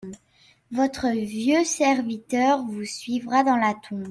Votre vieux serviteur vous suivra dans la tombe.